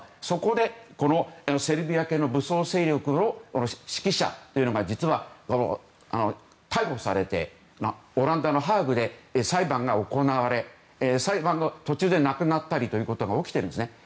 そこでセルビア系の武装勢力の指揮者が実は、逮捕されてオランダのハーグで裁判が行われ裁判の途中で亡くなったりということが起きているんです。